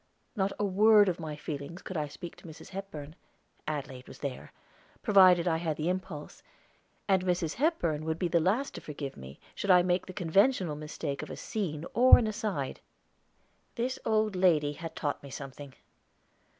Not a word of my feelings could I speak to Mrs. Hepburn Adelaide was there provided I had the impulse; and Mrs. Hepburn would be the last to forgive me should I make the conventional mistake of a scene or an aside. This old lady had taught me something.